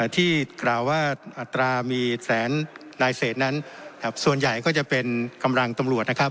ที่กล่าวว่าอัตรามีแสนนายเศษนั้นส่วนใหญ่ก็จะเป็นกำลังตำรวจนะครับ